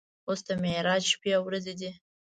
اوس د معراج شپې او ورځې دي.